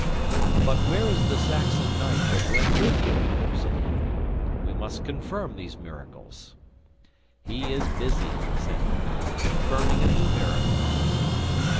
] '"But where is the Saxon knight that went with you?" said Henry. "He must confirm these miracles." '"He is busy," said Rahere, "confirming a new miracle."